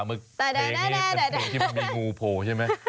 เมื่อกี้มีเพลงงูโหใช่ไหม